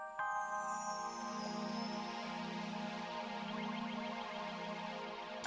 aku tahu apa menakutimu